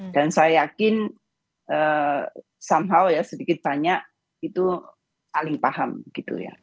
dan saya yakin somehow ya sedikit banyak itu saling paham gitu ya